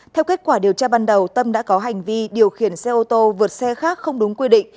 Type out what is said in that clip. theo kết quả điều tra ban đầu tâm đã có hành vi điều khiển xe ô tô vượt xe khác không đúng quy định